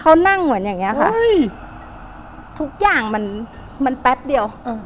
บ่ายไหร่แต่ว่าอย่างทุกอย่างมันแป๊บเดียว